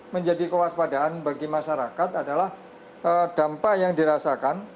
menjadi kewaspadaan bagi masyarakat adalah dampak yang dirasakan